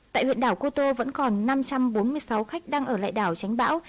tại huyện đảo cô tô vẫn còn năm trăm bốn mươi sáu khách đang ở lại đảo tránh bão